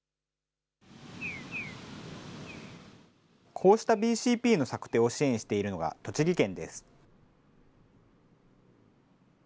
こうしたＢＣＰの策定を支援しているのが栃木県です。